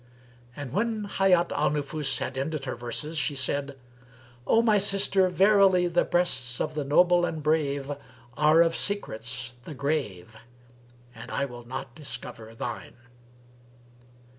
"[FN#320] And when Hayat al Nufus had ended her verses, she said, "O my sister, verily the breasts of the noble and brave are of secrets the grave; and I will not discover shine."